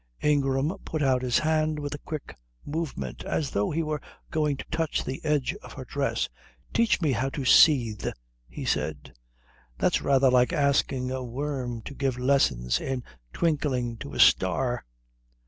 Ingram put out his hand with a quick movement, as though he were going to touch the edge of her dress. "Teach me how to seethe," he said. "That's rather like asking a worm to give lessons in twinkling to a star."